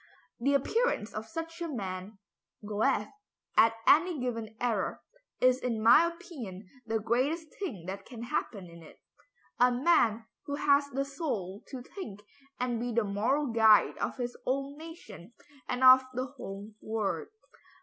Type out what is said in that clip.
"The appearance of such a man (Goethe) at any given era, is in my opinion the greatest thing that can happen in it. A man who has the soul to think and be the moral guide of his own nation and of the whole world."